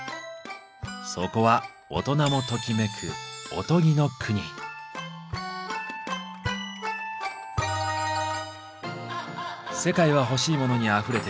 そこは大人もときめく「世界はほしいモノにあふれてる」。